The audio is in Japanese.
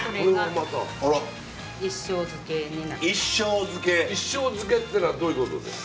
一升漬けってのはどういうことですか？